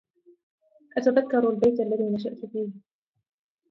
أتذكر البيت الذي نشأت فيه